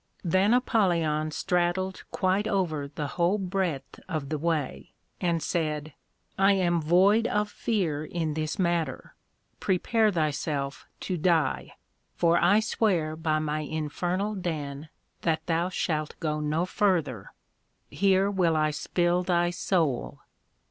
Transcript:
Then Apollyon straddled quite over the whole breadth of the way, and said, I am void of fear in this matter; prepare thyself to die; for I swear by my infernal Den, that thou shalt go no further; here will I spill thy soul.